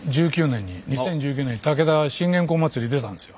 ２０１９年に武田信玄公祭りに出たんですよ。